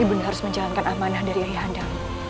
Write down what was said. harus menjalankan amanah dari ayah anda